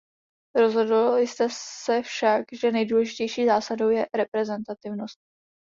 Rozhodli jsme se však, že nejdůležitější zásadou je reprezentativnost.